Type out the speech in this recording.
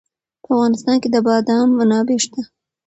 په افغانستان کې د بادام منابع شته.